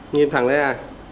nhìn thẳng đấy à